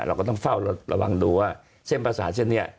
เราก็ต้องเฝ้าระวังดูว่าเส้นประสาทเช่นนี้